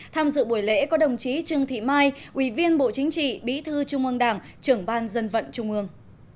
tham dự buổi lễ có đồng chí trương thị mai ủy viên bộ chính trị bí thư trung ương đảng trưởng ban dân vận trung ương